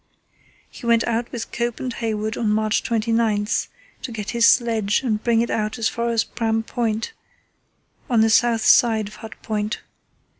He went out with Cope and Hayward on March 29 to get his sledge and brought it as far as Pram Point, on the south side of Hut Point.